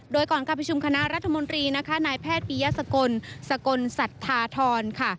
โดยก่อนการประชุมคณะรัฐมนตรีนะคะนายแพทย์ปียสกลสกลสัทธาธรค่ะ